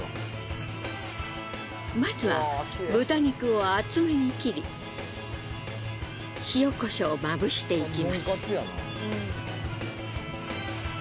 まずは豚肉を厚めに切り塩コショウをまぶしていきます。